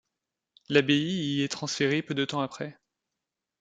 L'abbaye y est transférée peu de temps après.